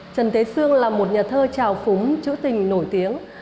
trần thế sương là một nhà thơ trào phúng chữ tình nổi tiếng